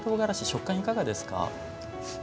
食感いかがですか？